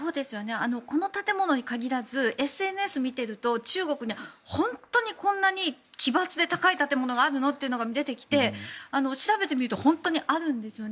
この建物に限らずＳＮＳを見ていると中国に本当にこんなに奇抜で高い建物があるの？というのが出てきて調べてみると本当にあるんですよね。